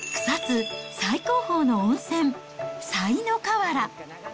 草津最高峰の温泉、西の河原。